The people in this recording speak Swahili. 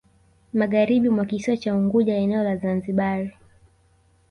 Magharibi mwa kisiwa cha Unguja eneo la Zanzibar